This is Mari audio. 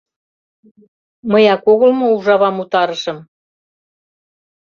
Мыяк огыл мо ужавам утарышым?»